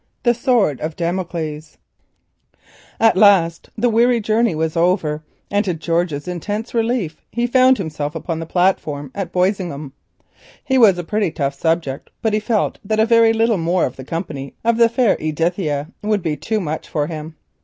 THE SWORD OF DAMOCLES At last the weary journey was over, and to George's intense relief he found himself upon the platform at Boisingham. He was a pretty tough subject, but he felt that a very little more of the company of the fair Edithia would be too much for him.